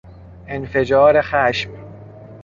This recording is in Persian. انفجار خشم